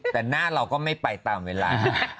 แต่หน้าเราก็ไม่ไปตามเวลา